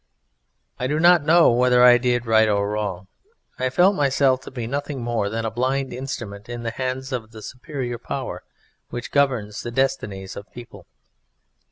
I do not know whether I did right or wrong I felt myself to be nothing more than a blind instrument in the hands of the superior power which governs the destinies of a people.